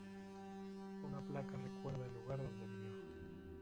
Una placa recuerda el lugar donde vivió.